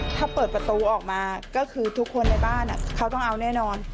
ถ้าเปิดประตูออกมาก็คือทุกคนในบ้านเขาต้องเอาแน่นอน